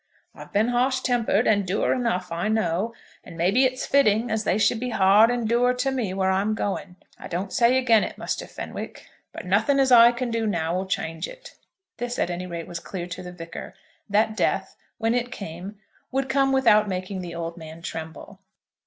I've been harsh tempered and dour enough I know, and maybe it's fitting as they shall be hard and dour to me where I'm going. I don't say again it, Muster Fenwick; but nothing as I can do now 'll change it." This, at any rate, was clear to the Vicar, that Death, when it came, would come without making the old man tremble.